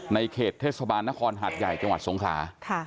ในเขตเทศบาลนครหาดใหญ่จังหวัดสงขลา